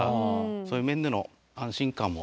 そういう面での安心感も。